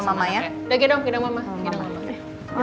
udah gedong mama